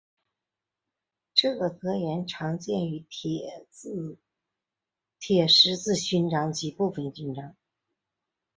这个格言常见于铁十字勋章及部分勋章。